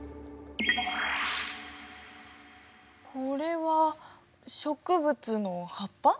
これは植物の葉っぱ？